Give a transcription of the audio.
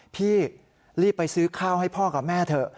พี่รีบไปซื้อข้าวให้พ่อกับแม่เถอะ